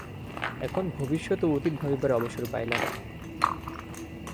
এখন ভবিষ্যৎ ও অতীত ভাবিবার অবসর পাইলাম।